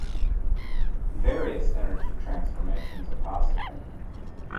Various energy transformations are possible.